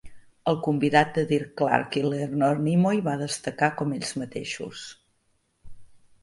El convidat de Dick Clark i Leonard Nimoy va destacar com ells mateixos.